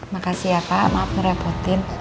makasih ya pak maaf merebutin